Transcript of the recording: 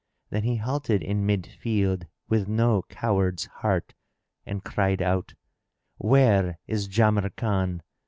Then he halted in mid field, with no coward's heart, and cried out, "Where is Jamrkan?